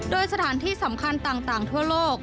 โดยสถานที่สำคัญต่างทั่วโลก